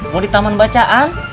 mau di taman bacaan